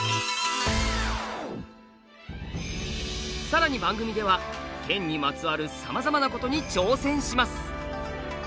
さらに番組では剣にまつわるさまざまなことに挑戦します。